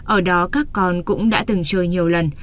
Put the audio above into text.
ở đó các con cũng đã từng chơi nhiều lần